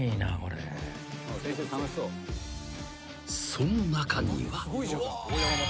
［その中には］